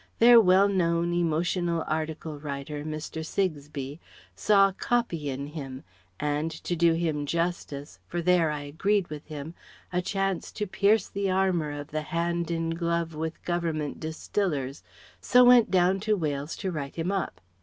Their well known, emotional article writer, Mr. Sigsbee, saw "copy" in him, and to do him justice (for there I agreed with him) a chance to pierce the armour of the hand in glove with Government distillers, so went down to Wales to write him up.